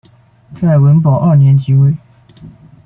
在文保二年即位。